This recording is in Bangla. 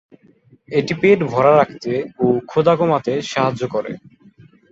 এটি পেট ভরা রাখতে ও ক্ষুধা কমাতে সাহায্য করে।